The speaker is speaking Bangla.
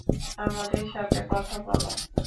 আমাদের সাথে কথা বলো!